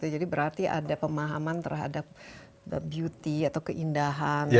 jadi berarti ada pemahaman terhadap beauty atau keindahan